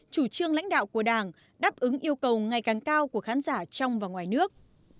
chủ trương lãnh đạo của đảng đáp ứng yêu cầu ngày càng cao của khán giả trong và ngoài nước